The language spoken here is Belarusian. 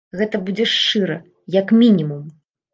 Гэта будзе шчыра, як мінімум.